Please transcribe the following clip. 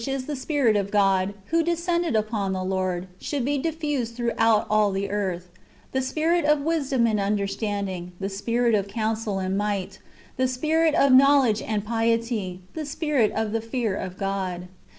is the Spirit of God, who descended upon the Lord, should be diffused throughout all the earth, " the spirit of wisdom and understanding, the spirit of counsel and might, the spirit of knowledge and piety, the spirit of the fear of God."